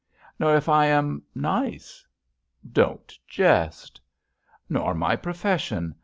'*Nor if I am— nice." *Don't jest." *Nor my profession.